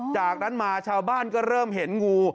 จากนั้นมาชาวบ้านก็เริ่มเห็นงู